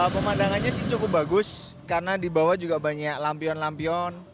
pemandangannya sih cukup bagus karena di bawah juga banyak lampion lampion